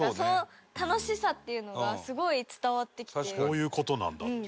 こういう事なんだっていうね。